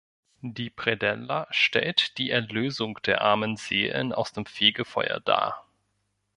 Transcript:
Die Predella stellt die Erlösung der armen Seelen aus dem Fegefeuer dar.